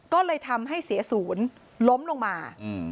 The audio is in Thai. ก็เลยทำให้เสียศูนย์ล้มลงมา